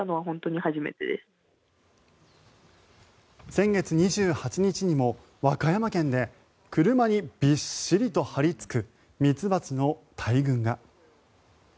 先月２８日にも和歌山県で車にびっしりと張りつくミツバチの大群が。